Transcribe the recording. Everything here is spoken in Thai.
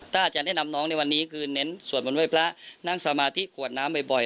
อาจารย์แนะนำน้องในวันนี้คือเน้นสวดมนต์ไว้พระนั่งสมาธิขวดน้ำบ่อย